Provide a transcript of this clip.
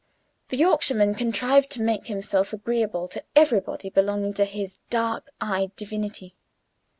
The Yorkshireman contrived to make himself agreeable to everybody belonging to his dark eyed divinity.